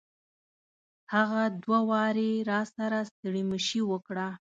هغه دوه واري راسره ستړي مشي وکړه.